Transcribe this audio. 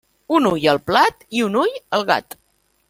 Un ull al plat i un ull al gat.